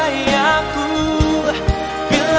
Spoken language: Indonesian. telah bersabda tuk selamanya